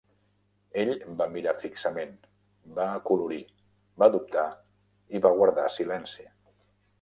Ell va mirar fixament, va acolorir, va dubtar i va guardar silenci.